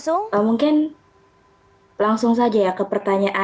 katanya k them vorher berikitar bahwa dia masih masalah sekarang kita katanya bisa